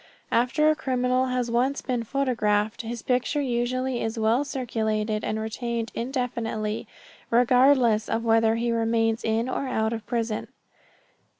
After a criminal has once been photographed his picture usually is well circulated and retained indefinitely, regardless of whether he remains in or out of prison.